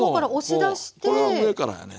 これは上からやね。